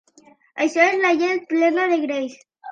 Això és la llet plena de greix.